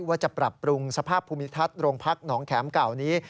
ว่าจะปรับปรุงสภาพภูมิทัศน์โรงพักหนองแข็มเก่านี้